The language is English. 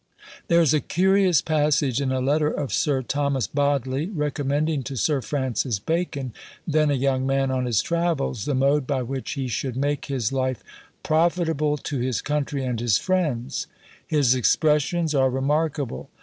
There is a curious passage in a letter of Sir Thomas Bodley, recommending to Sir Francis Bacon, then a young man on his travels, the mode by which he should make his life "profitable to his country and his friends." His expressions are remarkable.